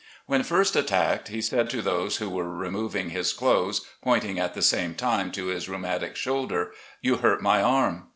"When first attacked, he said to those who were removing his clothes, pointing at the same time to his rheumatic shoulder, 'You hurt my arm.